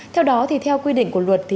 theo đó thì theo quy định của luật